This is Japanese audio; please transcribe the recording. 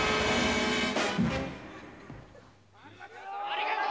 ありがとよ！